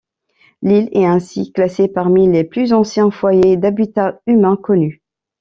L'île est ainsi classé parmi les plus anciens foyers d’habitat humain connus.